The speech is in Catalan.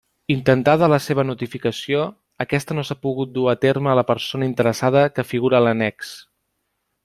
Intentada la seva notificació, aquesta no s'ha pogut dur a terme a la persona interessada que figura a l'annex.